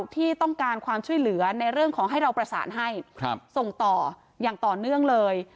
ที่ต้องการความช่วยเหลือในเรื่องของให้เราประสานให้ส่งต่ออย่างต่อเนื่องเลย